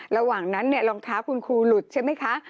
ระหว่างนั้นรองเท้าคุณครูหลุดใช่ไหมคะ